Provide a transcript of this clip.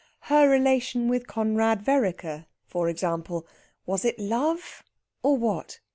Her relation with Conrad Vereker, for example. Was it love, or what?